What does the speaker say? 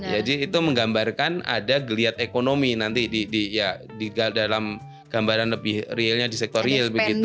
jadi itu menggambarkan ada geliat ekonomi nanti di dalam gambaran lebih realnya di sektor real begitu